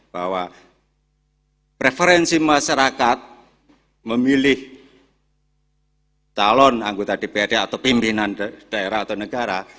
bahwa preferensi masyarakat memilih calon anggota dprd atau pimpinan daerah atau negara